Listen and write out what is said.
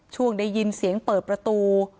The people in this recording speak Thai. ช่วงได้ยินเสียงเปิดประตู